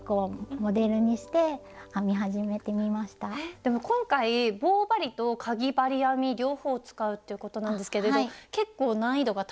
でも今回棒針とかぎ針編み両方を使うっていうことなんですけれど結構難易度が高そうに見えるんですけど。